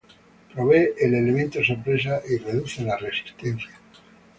Provee el elemento sorpresa y reduce la resistencia.